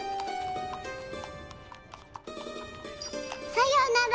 さよなら！